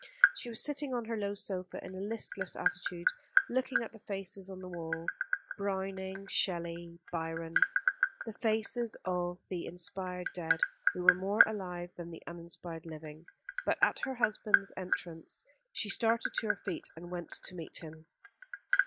She was sitting on her low sofa in a listless attitude, looking at the faces on the wall Browning, Shelley, Byron the faces of the inspired dead who were more alive than the uninspired living; but at her husband's entrance she started to her feet and went to meet him.